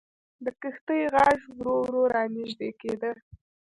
د کښتۍ ږغ ورو ورو را نژدې کېده.